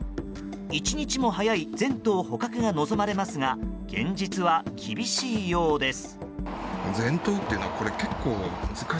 一日も早い全頭捕獲が望まれますが現実は厳しいようです。